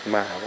mà các cán bộ